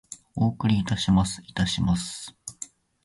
お送りいたします。いたします。